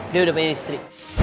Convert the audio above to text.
dia udah punya istri